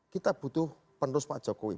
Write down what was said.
kita butuh penerus pak jokowi